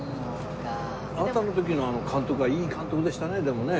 あなたの時の監督はいい監督でしたねでもね。